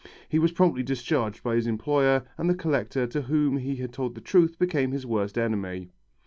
He was promptly discharged by his employer and the collector to whom he had told the truth became his worst enemy.